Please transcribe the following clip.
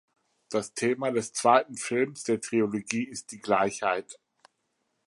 Das Thema des zweiten Films der Trilogie ist die Gleichheit.